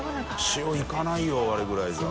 塩いかないよあれぐらいじゃ。